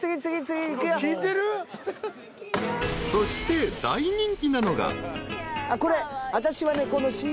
［そして大人気なのが］